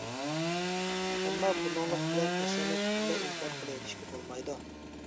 ئەمما بۇنىڭلىق بىلەن ئەسەرنى پۈتۈنلەي ئىنكار قىلىۋېتىشكە بولمايدۇ.